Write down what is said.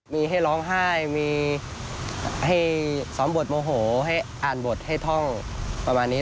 มีให้ร้องไห้มีให้สอนบทโมโหให้อ่านบทให้ท่องประมาณนี้